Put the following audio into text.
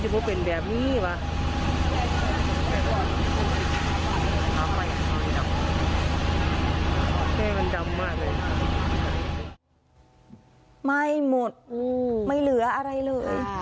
ไม่หมดไม่เหลืออะไรเลย